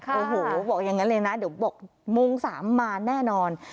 โอ้โหบอกอย่างนั้นเลยนะเดี๋ยวบอกโมง๓มาแน่นอน